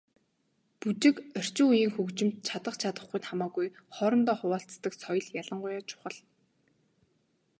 Бүжиг, орчин үеийн хөгжимд чадах чадахгүй нь хамаагүй хоорондоо хуваалцдаг соёл ялангуяа чухал.